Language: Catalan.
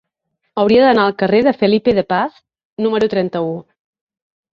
Hauria d'anar al carrer de Felipe de Paz número trenta-u.